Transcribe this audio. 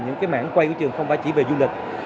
những cái mảng quay của trường không phải chỉ về du lịch